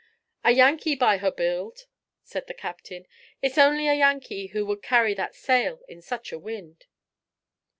"A Yankee, by her build!" said the captain. "It's only a Yankee who would carry that sail in such a wind."